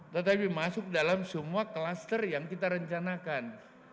tetapi masuk dalam semua klaster yang kita rencanakan